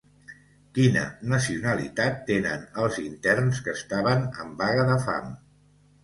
Quina nacionalitat tenen els interns que estaven en vaga de fam?